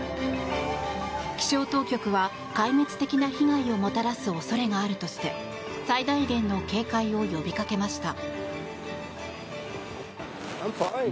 気象当局は、壊滅的な被害をもたらす恐れがあるとして最大限の警戒を呼びかけました。